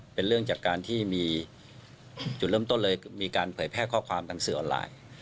เป็นเรื่องจากการที่มีจุดเริ่มต้นเลยมีการเผยแพร่ข้อความทางสื่อออนไลน์